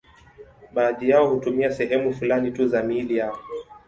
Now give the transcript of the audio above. Baadhi yao hutumia sehemu fulani tu za miili yao.